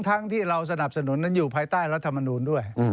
ที่เราสนับสนุนนั้นอยู่ภายใต้รัฐมนูลด้วย